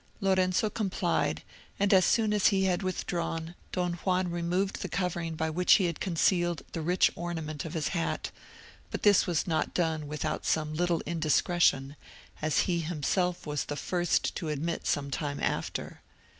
Lorenzo complied, and as soon as he had withdrawn, Don Juan removed the covering by which he had concealed the rich ornament of his hat; but this was not done without some little indiscretion, as he was himself the first to admit some time after.